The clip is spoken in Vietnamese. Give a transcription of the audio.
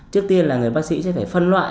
trước tiên là người bác sĩ sẽ phải phân loại